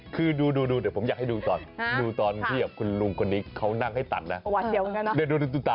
คือดูเดี๋ยวผมอยากให้ดูตอนดูตอนที่คุณลุงคนนี้เขานั่งให้ตัดนะ